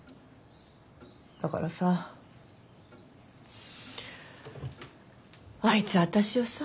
だからさあいつ私をさ。